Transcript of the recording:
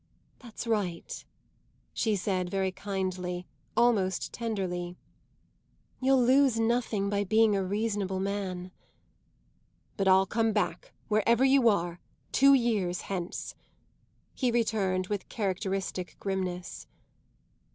"That's right," she said very kindly, almost tenderly. "You'll lose nothing by being a reasonable man." "But I'll come back, wherever you are, two years hence," he returned with characteristic grimness.